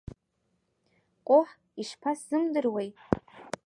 Ҟоҳ, ишԥасзымдыруеи!